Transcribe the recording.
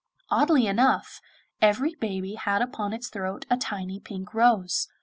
Oddly enough, every baby had upon its throat a tiny pink rose.